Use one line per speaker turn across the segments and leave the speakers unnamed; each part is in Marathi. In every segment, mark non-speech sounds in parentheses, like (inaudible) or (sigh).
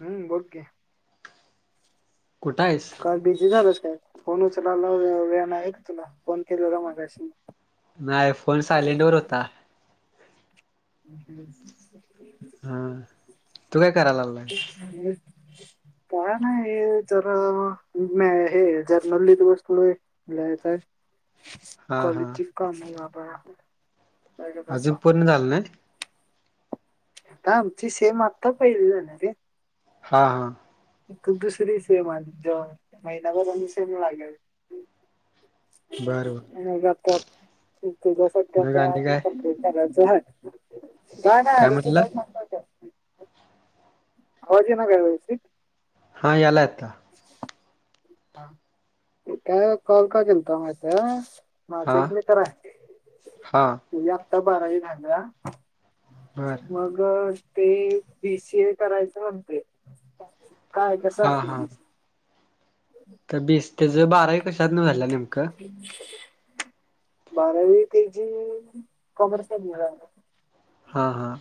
हम्म बोल की.
कुठायस?
काय बिझी झालास काय? फोन उचलाला वेळ नाही होय रे तुला फोन केलेला मगाशी.
नाही फोन सायलेंट वर होता.
हम्म.
हा तू काय करालागलायस?
मी काय नाही जरा म हे जरनल लिहित बसलोय. लिहायचय.
हा हा
कॉलेज ची कामं बाबा. काय बसा
अजून पूर्ण झालं नाय.
आता आमची सेम आता पहिली झाली रे-
हा हा.
तू दुसरी सेम आहे ज महिनाभरान सेम लागेल.
बर. बर.
मग आता ते तेझ्यासाठी
मग
आता
आणि काय?
कंप्लीट करायचं हाय. काय नाही (unintelligible) आवाज येइन का व्यवस्थित?
हा यालाय आता.
ह काय कॉल का केलता माहितीय-
हा
माझा एक मित्र
हा
आहे (unintelligible) आत्ता बारावी झाल्या.
बर
मग ते बीसीए करायच म्हणतय. काय कस
हा
असतय
हा.
बीसीए-
(unintelligible) बारावी कशात न झाल्या नेमकं?
बारावी तेजी कॉमर्सला
हां हां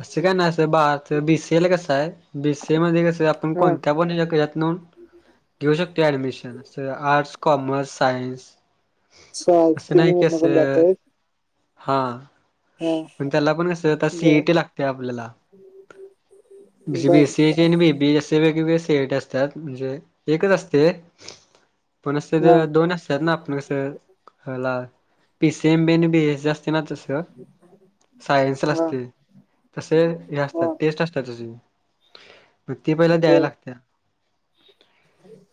असं काय नाही असं बाच बी स ए ला कसं आहे बी स ए मध्ये कसं आपण
हा
कोणत्या पण हेच्यातन- घेऊ शकतोय ऍडमिशन आर्ट्स, कॉमर्स, सायन्स. असं नाही की
चालतंय (unintelligible) पण
असं
जातय-
हा. पण त्याला पण कसं आ
बर
सीईटी लागते आपल्याला. बी बी
बर
सी ए आणि बी बी एस. ते वेगवेगळ्या सी ई टी असत्यात, म्हणजे एकच असते पण असतेत
हा
दोन अस त्यातंन आपण कस, पी सी एम बी अन् बी एस सी असतय ना तस.
(unintelligible)
सायन्सला
हा
असतय, तस हे असत्यात
हा
टेस्ट असतात अजून. ते पहिला द्याय
बर
लागत्या.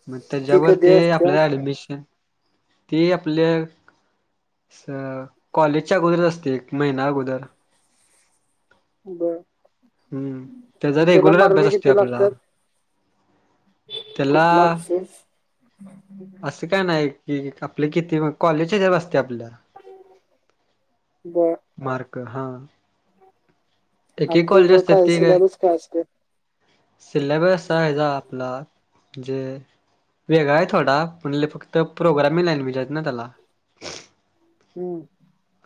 मग
ती
त्याच्यावर
कधी
ते
असते
आपल्याला ऐडमिशन ते आपल स कॉलेजच्या अगोदरच असतय, एक महिना अगोदर तर.
बर
हम्म त्याचा
आणि त्याला
रेग्युलर
मार्क
अभ्यास असतो
किती
आपला
लागत्यात? कुठला
त्याला
आपसेेस?
असं काय नाही कि, आपले किती? कॉलेजच्या हेच्यावर असतय आपल्या
बर.
मार्क हा. एक
आणि
एक
ते
कॉलेज
जो
असतात
काय सिल्याबस काय असतय?
सिल्याबस हाय हेजा आपला. जे अ वेगळा हाय थोडा पण, लय फक्त प्रोग्र्यामिंग ल्येँग्वेज हाएत ना त्याला.
हम्म.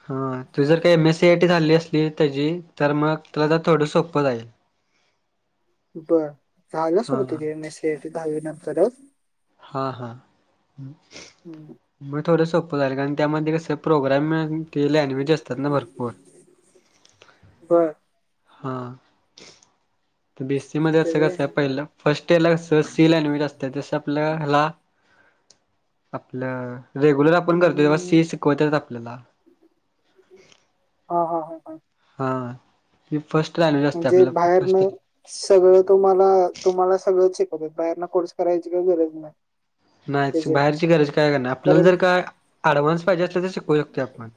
हा तु जर काही M S C I T झाली असली, त्याजी, तर मग तुला जरा थोडं सोपं जाईल. (inaudible)
बर झाल्या सोड
हा
तीजी, M S C I T दहावी नंतर अ.
हां हां.
हुं.
म थोडं सोपं झालं, कारण त्यामध्ये कस? प्रोग्राम अन ते लॅंग्वेज असतात ना भरपूर.
बर.
हा बी सी मध्ये असं
त्यावे
कस काय पहिलं? फर्स्ट इयर ला कस? सी लँग्वेज असत्यात, त्या तस आपल्या हेला आपलं रेग्युलर आपण करतो, तेव्हा
हम्म.
सी शिकवत्यात आपल्याला.
हा हा हा.
हा सी फर्स्ट लँगवेज असत्या
म्हणजे
आपल्याला फर्स्ट.
बाहेरनं सगळं तुम्हाला तुम्हाला सगळंच शिकवत्यात, बाहेरन कोर्स करायची काही गरज नाही.
नाहीच
त्याचे
बाहेरची गरज काय करणार? आपल्याला
कारण
जर काय ऍडव्हान्स पाहिजे आसल, तर शिकू शकतो आपण.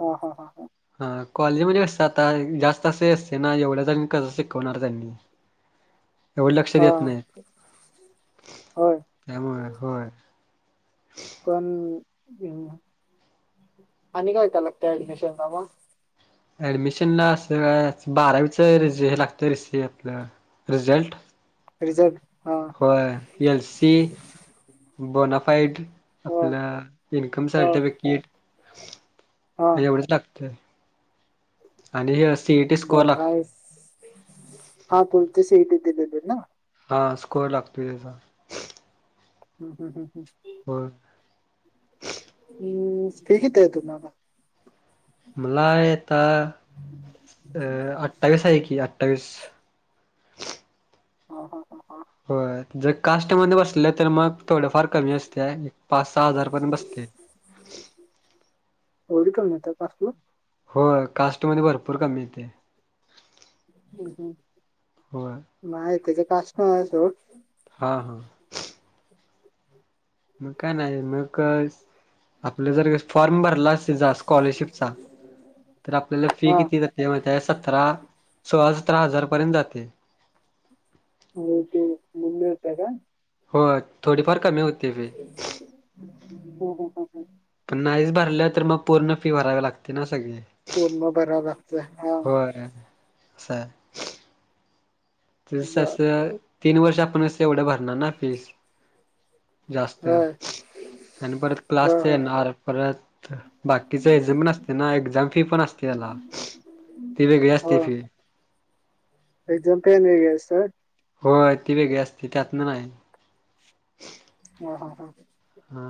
हा हा हा हा.
हा कॉलेज मध्ये कस आता जास्त असं असतय ना, एवढ्या जनांना कसं शिकवणार त्यांनी? एवढ लक्ष
हा
देत नाहीत,
होय
त्यामुळे होय.
कण इना आणि काय त्याला काय लागत ऍडमिशन ला मग?
ॲडमिशनला असच बारावीच र हे लागतं रिस हे रिझल्ट.
रिझल्ट हा.
होय एल सी, बोनाफाइड.
हा
आपला इन्कम
हा
सर्टिफिकेट.
हा
आणि एवढंच लाागतय आणि हे अस
बरा हाईस, हा कोण ते सी इ टी दिलेली ना?
हां स्कोअर लागतो तेचा.
हू हू हू हू.
व्हय.
उम् फी किती हाय तुम्हाला?
मला आहे आता अ अठ्ठावीस हाय की, अठ्ठावीस.
हा हा हा हा.
होय जर कास्टमध्ये बसले तर, मग थोडंफार कमी असतय, एक पाच सहा हजार पर्यंत बसतय.
एवढी कमी होतीया कास्टला
होय कास्टमध्ये भरपूर कमी येते.
हम्म हम्म!
होय!
बाय त्याच कास्ट आहे सोड.
हां हां! मग काय नाही मग आपलं जर फॉर्म भरलास तिज स्कॉलरशिपचा तर आपल्याला फी
हा
किती किती माहितय सतरा सोळा सतरा हजार पर्यंत जाते.
हम्म हम्म मग मिळतीया का?
होय थोडीफार कमी होतिया की.
हम्म हम्म!
पण नाहीच भरल्या तर मग पूर्ण फी भरावी लागती ना सगळी.
पूर्ण भरावर लागतंय.
होय असंय. तेज सस
बर
तीन वर्ष आपण अस एवढं भरणार ना फीस जास्त
होय
आणि परत
होय
क्लासच
होय
येणार परत बाकीच एक्झाम पण असते ना एक्झाम फी पण असते याला. ती वेगळी असती
हो
फी.
एक्झाम फी आणि वेगळी असतंय?
होय ती वेगळी असती त्यातन नाय.
ह हा हा!
हा!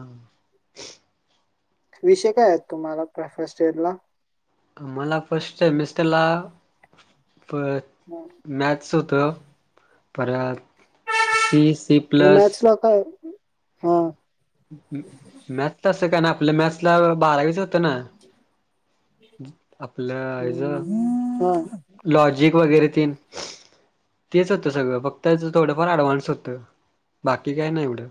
विषय काय आहेत तुम्हाला फर्स्ट इयर ला?
मला फस्ट सेमिस्टरला प
मग
मॅथ्स होत पर सी, सी प्लस
होय हा.
मॅथ तसं काय नाय आपल मॅथ्सला बारावीच तना आपल हेज
हम्म, हा
लॉजिक वगैरे तीन. तेच होतं सगळं फक्त त्याचं थोडंफार ॲडव्हान्स होतं बाकी काय नाय एवढं.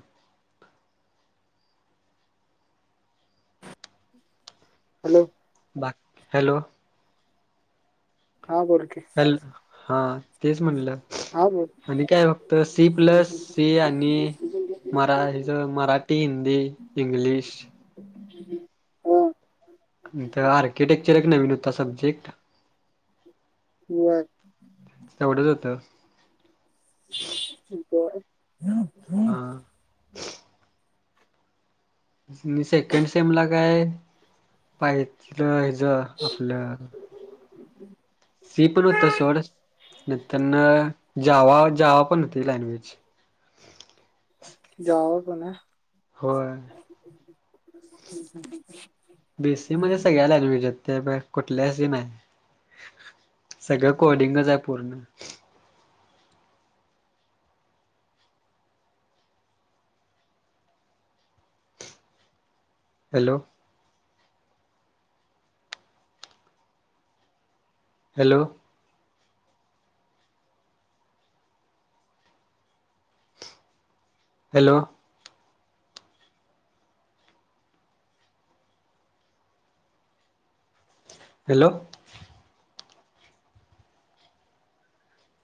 हॅलो!
बाकी हॅलो!
हा बोल की!
हॅल हा तेच म्हणलं.
हा बोल
आणि काय फक्त सी प्लस,
हा
सी आणि मरा हेज मराठी, हिंदी, इंग्लिश
(inaudible)
नंतर आर्किटेक्चर एक नवीन होता सब्जेक्ट.
(unintelligible)
तेवढंच होतं.
(unintelligible)
हा! मी सेकंड सेमला काय पाहित लं हेज आपलं सी पण होत सोड नंतर जावा जावा पण होत लँग्वेज.
जाव पुन्हा?
होय.
(inaudible)
बी सी ए मध्ये सगळ्या लँग्वेज हायत ते कुठल्याच ही नाय. सगळं कोडिंगच हाय पूर्ण. हॅलो! हॅलो. हॅलो. हॅलो.